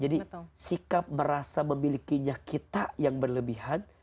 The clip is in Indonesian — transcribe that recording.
jadi sikap merasa memilikinya kita yang berlebihan